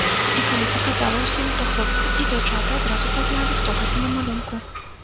І калі паказала ўсім, то хлопцы і дзяўчаты адразу пазналі, хто гэта на малюнку.